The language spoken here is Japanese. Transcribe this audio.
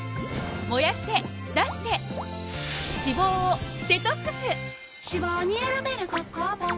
燃やして出して脂肪をデトックス！